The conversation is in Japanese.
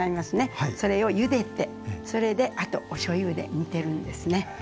それをゆでてそれであとおしょうゆで煮てるんですね。